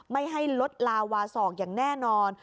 ไม่ให้ลดลาวาศอกอย่างแน่นอน